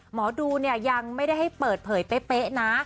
หมอดูเนี่ยยังไม่ได้ให้เปิดเผยเป๊ะนะ